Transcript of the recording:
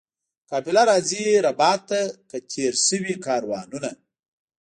قافله راځي ربات ته که تېر سوي کاروانونه؟